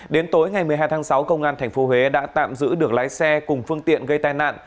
đến tối ngày một mươi hai tháng sáu công an tp huế đã tạm giữ được lái xe cùng phương tiện gây tai nạn